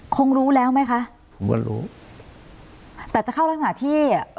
คงรู้แล้วไหมคะผมว่ารู้แต่จะเข้ารักษณะที่อ่ะ